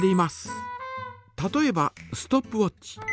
例えばストップウォッチ。